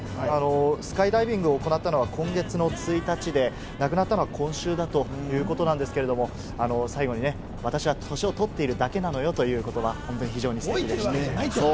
スカイダイビングを行ったのは今月１日で、亡くなったのは今週ということですけれども、最後に、私は年を取っているだけなのよという言葉、すごくステキでしたね。